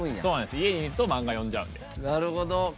家にいると漫画読んじゃうんで。